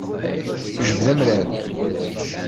Jbed amrar.